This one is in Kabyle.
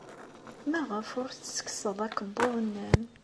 Maɣef ur tettekkseḍ akebbuḍ-nnem?